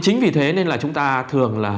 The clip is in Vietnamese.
chính vì thế nên là chúng ta thường là